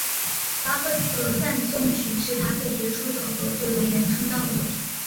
巴赫的颂赞曲是他最杰出的和最为人称道的作品。